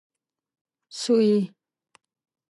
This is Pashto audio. سويي